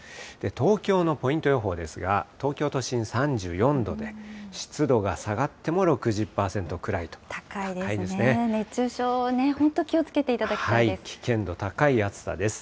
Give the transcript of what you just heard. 東京のポイント予報ですが、東京都心３４度で、湿度が下がっても熱中症、本当、気をつけてい危険度高い暑さです。